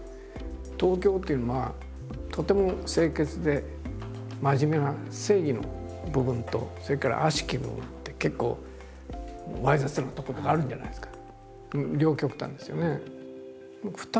東京っていうのはとても清潔で真面目な正義の部分とそれから悪しき部分って結構猥雑なところがあるじゃないですか。